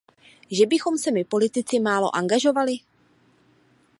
Že bychom se my, politici, málo angažovali?